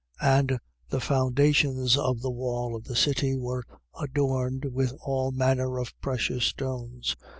21:19. And the foundations of the wall of the city were adorned with all manner of precious stones.